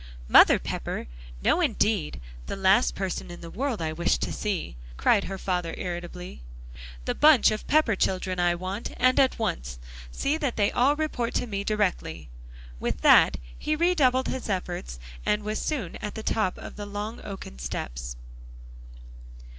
"Mother Pepper? No, indeed; the last person in the world I wish to see," cried her father irritably. "The bunch of Pepper children, I want, and at once; see that they all report to me directly." With that he redoubled his efforts and was soon at the top of the long oaken steps.